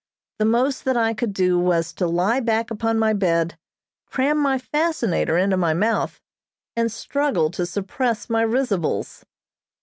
The most that I could do was to lie back upon my bed, cram my fascinator into my mouth, and struggle to suppress my risibles.